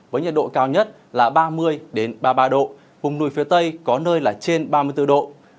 với nhiệt độ cao nhất là ba mươi ba mươi ba độ vùng núi phía tây có nơi là trên ba mươi bốn độ